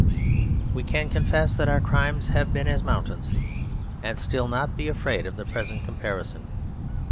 We can confess that our crimes have been as mountains, and still not be afraid of the present comparison.